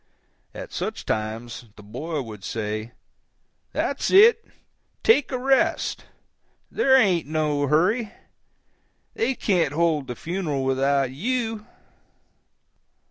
At such times the boy would say: "That's it! take a rest—there ain't no hurry. They can't hold the funeral without YOU."